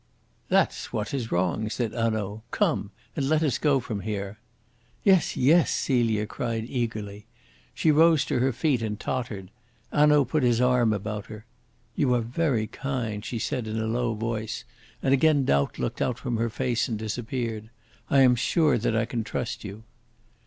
"That's what is wrong," said Hanaud. "Come, let us go from here!" "Yes, yes!" Celia cried eagerly. She rose to her feet, and tottered. Hanaud put his arm about her. "You are very kind," she said in a low voice, and again doubt looked out from her face and disappeared. "I am sure that I can trust you."